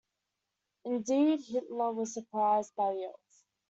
Indeed, Hitler was surprised by the oath.